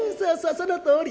そのとおり」。